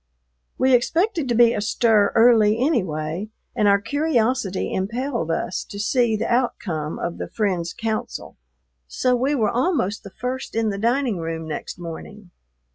We expected to be astir early anyway, and our curiosity impelled us to see the outcome of the friend's counsel, so we were almost the first in the dining room next morning.